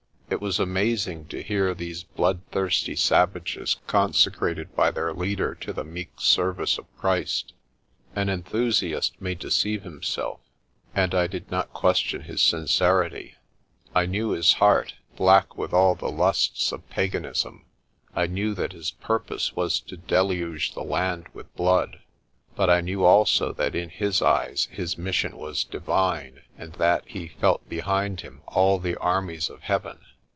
It was amazing to hear these bloodthirsty savages consecrated by their leader to the meek service of Christ. An enthusiast may deceive himself, and I did not question his sincerity. I knew his heart, black with all the lusts of paganism. I knew that his purpose was to deluge the land with blood. But I knew also that in his eyes his mission was divine, and that he felt behind him all the armies of Heaven.